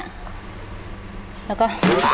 แล้วก็